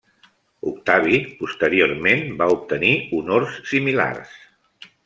Octavi, posteriorment, va obtenir honors similars.